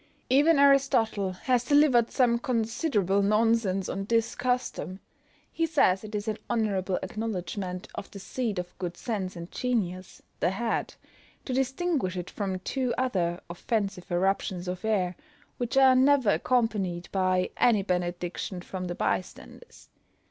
Even Aristotle has delivered some considerable nonsense on this custom; he says it is an honourable acknowledgment of the seat of good sense and genius the head to distinguish it from two other offensive eruptions of air, which are never accompanied by any benediction from the by standers.